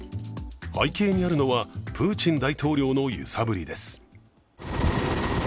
背景にあるのはプーチン大統領の揺さぶりです。